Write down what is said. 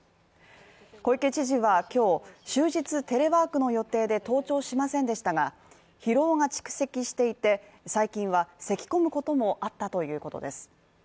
小池知事は今日、終日テレワークの予定で登庁しませんでしたが、疲労が蓄積していて、最近は咳込むこともあったということです。